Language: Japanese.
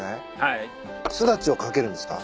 スダチを掛けるんですか？